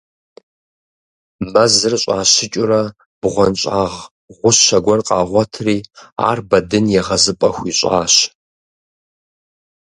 Мэзыр щӀащыкӀыурэ, бгъуэнщӀагъ гъущэ гуэр къагъуэтри ар Бэдын егъэзыпӀэ хуищӀащ.